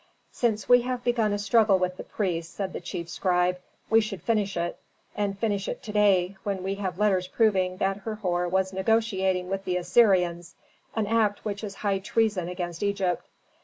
"Since we have begun a struggle with the priests," said the chief scribe, "we should finish it, and finish it to day when we have letters proving that Herhor was negotiating with the Assyrians, an act which is high treason against Egypt."